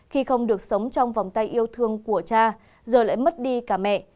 khi không được sống trong vòng tay yêu thương của cha giờ lại mất đi cả mẹ